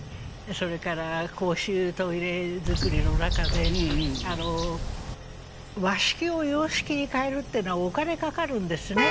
それから公衆トイレづくりの中であの和式を洋式に変えるってのはお金かかるんですね。